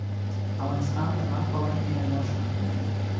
افغانستان د لعل په برخه کې نړیوال شهرت لري.